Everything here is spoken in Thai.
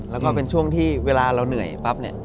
แล้วก็เป็นช่วงที่เวลาเราเหนื่อยปั๊บเนี่ย